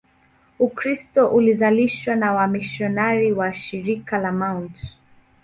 Ukristo ulianzishwa na wamisionari wa Shirika la Mt.